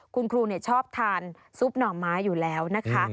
คุณครูชอบทานซุปหน่อไม้อยู่แล้วนะคะ